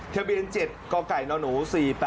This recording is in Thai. ทะเบียน๗กไก่นหนู๔๘